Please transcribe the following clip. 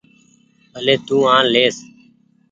ڀلي تو آن ليس۔